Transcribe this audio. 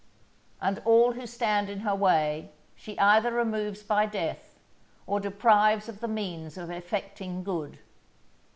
And all who stand in her way, she either removes by death, or deprives of the means of effecting good.